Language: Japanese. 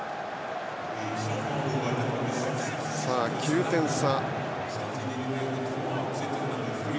９点差。